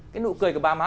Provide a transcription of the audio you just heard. cái nụ cười của bà má